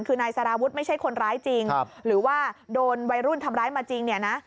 คือนายสารวุฒิไม่ใช่คนร้ายจริงหรือว่าโดนวัยรุ่นทำร้ายมาจริงเนี่ยนะ